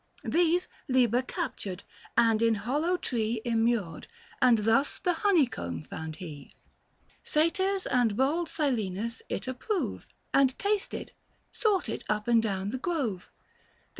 795 These Liber captured, and in hollow tree Immured, and thus the honeycomb found he. Satyrs and bald Silenus it approve ; And tasted — sought it np and down the grove.